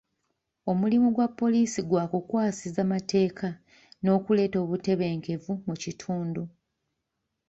Omulimu gwa poliisi gwa kukwasisa mateeka n'okuleeta obutebenkevu mu kitundu.